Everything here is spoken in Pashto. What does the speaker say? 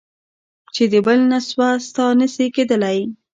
چي د بل نه سوه. ستا نه سي کېدلی.